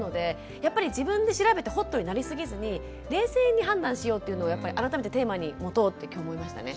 やっぱり自分で調べてホットになりすぎずに冷静に判断しようっていうのを改めてテーマに持とうって今日思いましたね。